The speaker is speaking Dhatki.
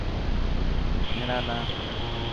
هيڻا نه.